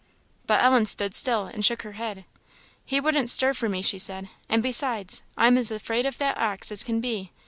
But Ellen stood still, and shook her head. "He wouldn't stir for me," she said; "and besides, I am as afraid of that ox as can be.